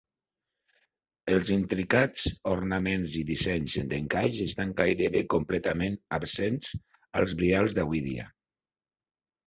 Els intricats ornaments i dissenys d'encaix estan gairebé completament absents als brials d'avui dia.